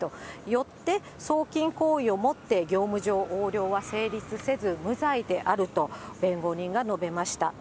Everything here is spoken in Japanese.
よって送金行為をもって業務上横領は成立せず、無罪であると弁護人が述べました。